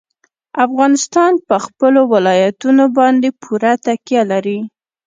افغانستان په خپلو ولایتونو باندې پوره تکیه لري.